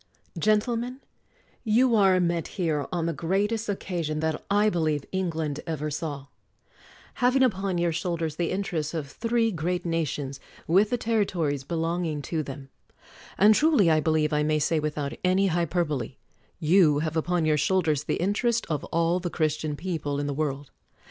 Gentlemen :— You are met here on the great est occasion that, I believe, England ever saw; having upon your shoulders the interests of three great nations with the territories belonging to them; and truly, I believe I may say without any hyperbole, you have upon your shoulders the interest of all the Christian people in the world.